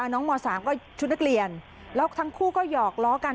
ม๓ก็ชุดนักเรียนแล้วทั้งคู่ก็หยอกล้อกัน